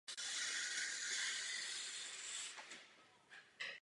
Pod ním je pak sklep.